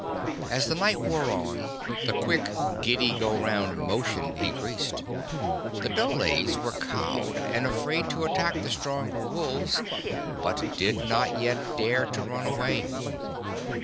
As the night wore on, the quick, giddy go round motion increased. The dholes were cowed and afraid to attack the stronger wolves, but did not yet dare to run away.